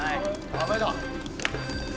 ダメだ。